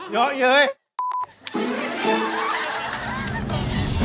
เดี๋ยวเดี๋ยวเดี๋ยว